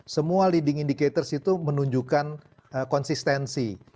semua leading indicators itu menunjukkan konsistensi